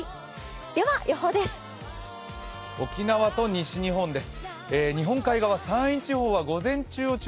では、予報です。